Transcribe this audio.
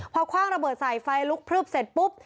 เวอะความระเบิดใสไฟลุกพลุบเสร็จปุ๊บ